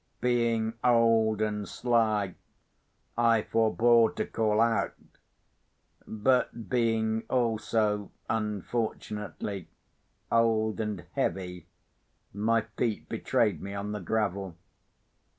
Being old and sly, I forbore to call out; but being also, unfortunately, old and heavy, my feet betrayed me on the gravel.